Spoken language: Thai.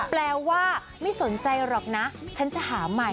แปลว่าไม่สนใจหรอกนะฉันจะหาใหม่